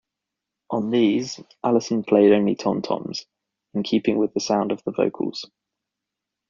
On these, Allison played only tom-toms, in keeping with the sound of the vocals.